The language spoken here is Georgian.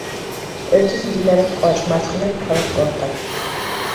ერთვის მდინარე მტკვარს მარცხნიდან ქალაქ გორთან.